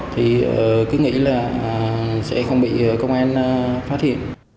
thì cứ nghĩ là sẽ không bị công an phá thiện